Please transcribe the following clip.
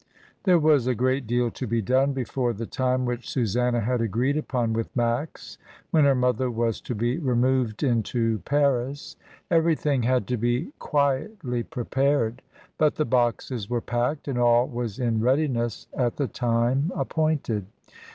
There was a great deal to be done before the time which Susanna had agreed upon with Max when her mother was to be removed into Paris. Everything had to be quietly prepared; but the boxes were packed, and all was in readiness at the time appointed.